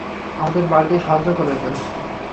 আমাদের বাড়তি সাহায্য প্রয়োজন।